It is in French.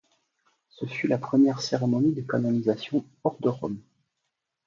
Ce fut la première cérémonie de canonisation hors de Rome.